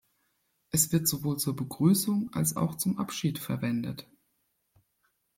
Es wird sowohl zur Begrüßung als auch zum Abschied verwendet.